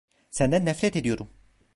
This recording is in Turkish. Senden nefret ediyorum.